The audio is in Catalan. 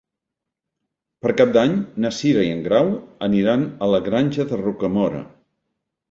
Per Cap d'Any na Cira i en Grau aniran a la Granja de Rocamora.